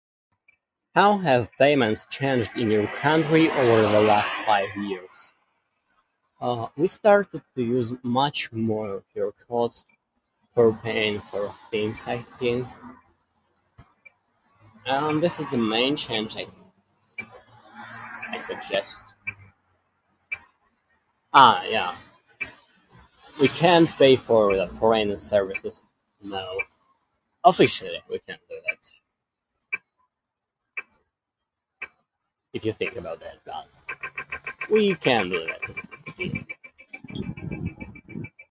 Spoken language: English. How have payments changed in your country over the last five years? Uh, we started to use much more QR codes for paying for things, I think. And this is the main change, I, I suggest. Ah, yeah. We can pay for the premium services now. Officially we can't do that. If you think about that, but, we can do that easy.